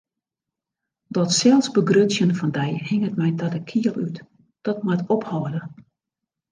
Dat selsbegrutsjen fan dy hinget my ta de kiel út, dat moat ophâlde!